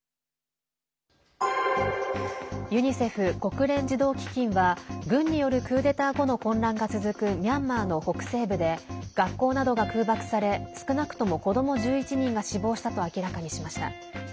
ユニセフ＝国連児童基金は軍によるクーデター後の混乱が続くミャンマーの北西部で学校などが空爆され少なくとも子ども１１人が死亡したと明らかにしました。